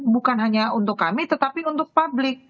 bukan hanya untuk kami tetapi untuk publik